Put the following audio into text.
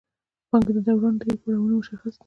د پانګې د دوران درې پړاوونه مشخص دي